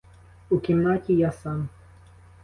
У кімнаті я сам.